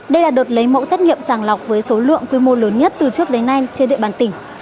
đây là đợt lấy mẫu xét nghiệm sàng lọc với số lượng quy mô lớn nhất từ trước đến nay trên địa bàn tỉnh